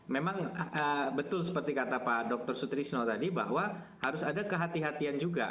memang betul seperti kata pak dr sutrisno tadi bahwa harus ada kehatian kehatian juga